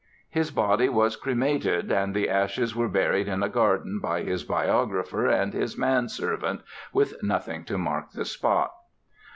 His body was cremated and the ashes were buried in a garden by his biographer and his man servant, with nothing to mark the spot.